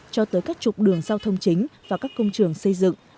cho tới các trục đường giao thông chính và các công trường xây dựng